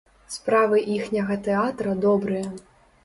Справы іхняга тэатра добрыя.